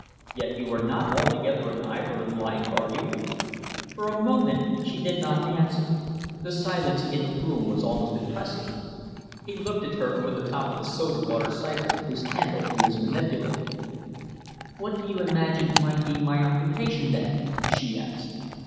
"Yet you are not altogether an idler in life, are you?" For a moment she did not answer. The silence in the room was almost impressive. He looked at her over the top of the soda water syphon whose handle he was manipulating. "What do you imagine might be my occupation, then?" she asked.